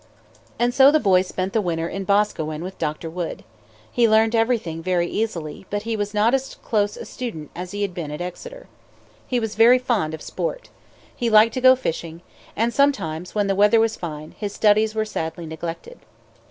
And so the boy spent the winter in Boscawen with Dr. Wood. He learned everything very easily, but he was not as close a student as he had been at Exeter. He was very fond of sport. He liked to go fishing. And sometimes, when the weather was fine, his studies were sadly neglected.